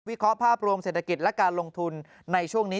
เคราะหภาพรวมเศรษฐกิจและการลงทุนในช่วงนี้